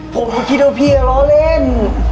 ผมก็คิดว่าพี่ก็ล้อเล่น